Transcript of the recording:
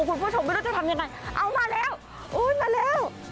คุณผู้ชมไม่รู้จะทำยังไงเอามาแล้วโอ้ยมาแล้ว